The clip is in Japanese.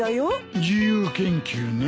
自由研究ねえ。